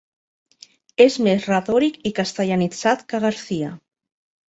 És més retòric i castellanitzat que Garcia.